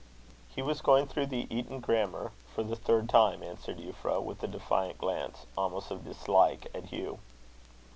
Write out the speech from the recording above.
"He was going through the Eton grammar for the third time," answered Euphra, with a defiant glance, almost of dislike, at Hugh.